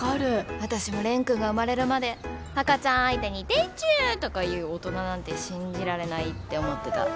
私も蓮くんが生まれるまで赤ちゃん相手に「でちゅ」とか言う大人なんて信じられないって思ってた。